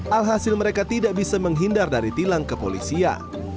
alhasil mereka tidak bisa menghindar dari tilang ke polisi ya